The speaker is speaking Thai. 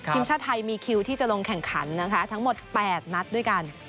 ทีมชาติไทยมีคิวที่จะลงแข่งขันนะคะทั้งหมด๘นัดด้วยกัน